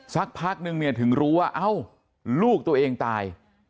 สักพักนึงเนี่ยถึงรู้ว่าเอ้าลูกตัวเองตาย